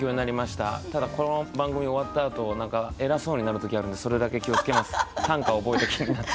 ただこの番組が終わったあと何か偉そうになる時あるのでそれだけ気を付けます。